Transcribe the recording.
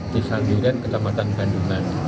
di sambiran kecamatan bandungan